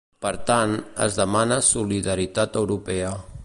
Per tant, es demana solidaritat europea.